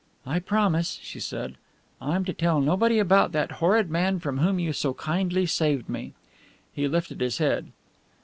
"I promise," she said. "I'm to tell nobody about that horrid man from whom you so kindly saved me " He lifted his head.